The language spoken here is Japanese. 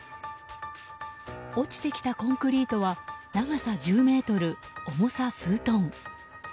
落ちてきたコンクリートは長さ１０ｍ、重さ数トン。